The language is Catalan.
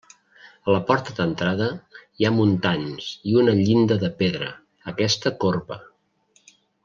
A la porta d'entrada hi ha muntants i una llinda de pedra, aquesta corba.